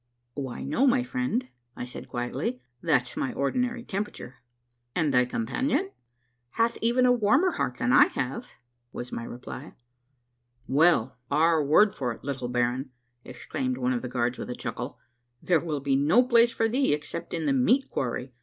Why, no, my friend," said I quietly ;" that's my ordinary temperature." " And thy companion ?"" Hath even a warmer heart than I have," was my reply. " Well, our word for it, little baron," exclaimed one of the guards with a chuckle, " there will be no place for thee except in the meat quarry.